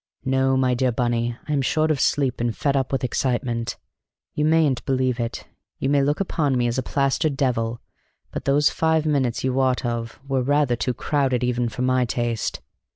"No, my dear Bunny, I am short of sleep and fed up with excitement. You mayn't believe it you may look upon me as a plaster devil but those five minutes you wot of were rather too crowded even for my taste.